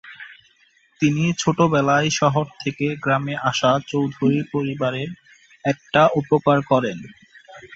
তিনি ছোটবেলায় শহর থেকে গ্রামে আসা চৌধুরী পরিবারের একটা উপকার করেন।